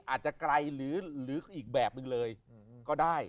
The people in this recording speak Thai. อาจจะไกลหรืออีกแบบนึงเลยก็ได้